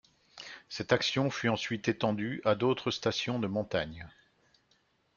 Cette action fut ensuite étendue à d'autres stations de montagne.